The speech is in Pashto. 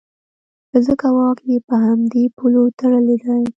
ځکه واک یې په همدې پولو تړلی دی.